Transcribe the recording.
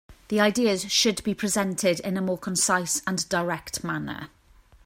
The ideas should be presented in a more concise and direct manner.